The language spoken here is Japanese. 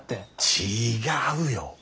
違うよ。